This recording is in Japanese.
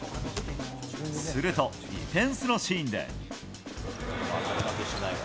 すると、ディフェンスのシーンで。